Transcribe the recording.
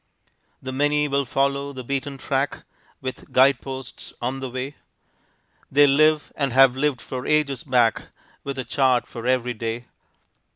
The many will follow the beaten track With guideposts on the way, They live and have lived for ages back With a chart for every day.